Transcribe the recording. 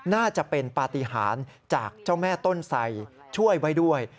น่าจะเป็นปฏิหารจากเจ้าแม่ต้นไสช่วยไว้ด้วย